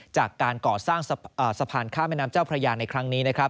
จากการก่อสร้างสะพานข้ามแม่น้ำเจ้าพระยาในครั้งนี้นะครับ